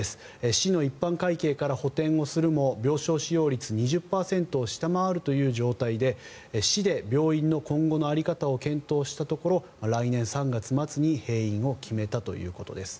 市の一般会計から補てんをするも病床使用率２０％を下回るという状態で市で病院の今後の在り方を検討したところ来年３月末に閉院を決めたということです。